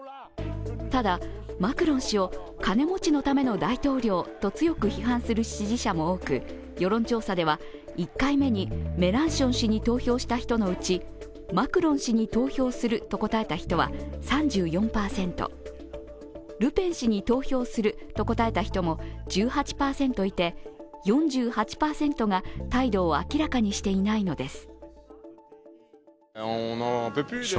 ただ、マクロン氏を金持ちのための大統領と強く批判する支持者も多く世論調査では１回目にメランション氏に投票した人のうちマクロン氏に投票すると答えた人は３４％、ルペン氏に投票すると答えた人も１８％いて４８％が態度を明らかにしていないのです。